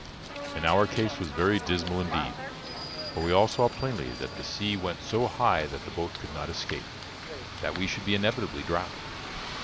And now our case was very dismal indeed; for we all saw plainly that the sea went so high that the boat could not escape, and that we should be inevitably drowned.